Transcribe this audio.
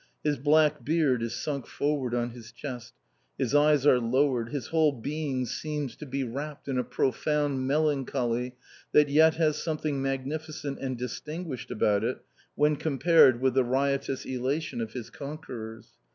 His black beard is sunk forward on his chest. His eyes are lowered. His whole being seem to be wrapt in a profound melancholy that yet has something magnificent and distinguished about it when compared with the riotous elation of his conquerors.